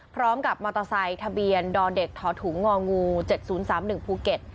พร้อมกับมอเตอร์ไซค์ทะเบียนดเด็กถถุงงองู๗๐๓๑ภูเก็ต